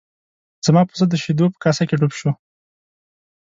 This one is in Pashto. زما پسه د شیدو په کاسه کې ډوب شو.